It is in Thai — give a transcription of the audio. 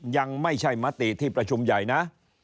ยังไม่ใช่มติที่ประชุมใหญ่นะ